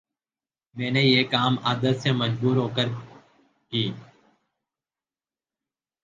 میں نے یہ کام عادت سے مجبور ہوکرکی